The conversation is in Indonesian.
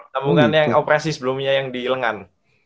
tabungan yang operasi sebelumnya yang di lengan